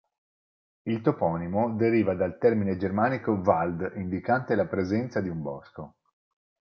Il toponimo deriva dal termine germanico "wald" indicante la presenza di un bosco.